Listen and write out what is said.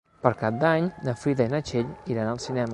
Per Cap d'Any na Frida i na Txell iran al cinema.